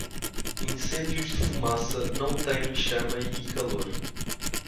Incêndios de fumaça não têm chama e calor.